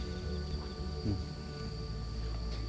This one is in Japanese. うん。